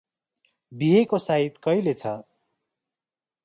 बिहेको साइत कैले छ?